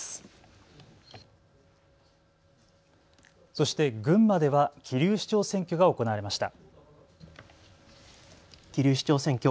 そして群馬では桐生市長選挙が行われました。